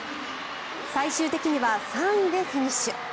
最終的には３位でフィニッシュ。